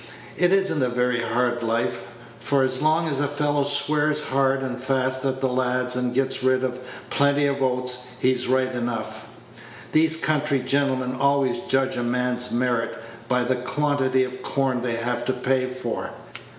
"It is n't a very hard life; for as long as a fellow swears hard and fast at the lads, and gets rid of plenty of oats, he's right enough. These country gentlemen always judge a man's merits by the quantity of corn they have to pay for.